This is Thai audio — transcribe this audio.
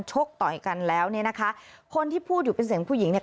กต่อยกันแล้วเนี่ยนะคะคนที่พูดอยู่เป็นเสียงผู้หญิงเนี่ย